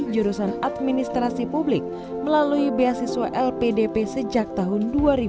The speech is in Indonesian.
jurusan administrasi publik melalui beasiswa lpdp sejak tahun dua ribu dua